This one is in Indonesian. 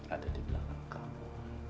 ada di belakang kamu